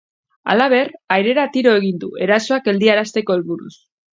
Halaber, airera tiro egin du, erasoak geldiarazteko helburuz.